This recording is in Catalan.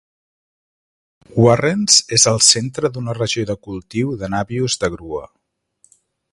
Warrens és el centre d'una regió de cultiu de nabius de grua.